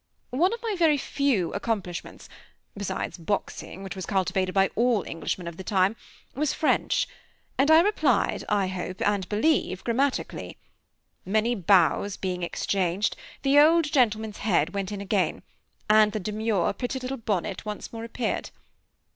One of my very few accomplishments, besides boxing, which was cultivated by all Englishmen at that time, was French; and I replied, I hope and believe grammatically. Many bows being exchanged, the old gentleman's head went in again, and the demure, pretty little bonnet once more appeared.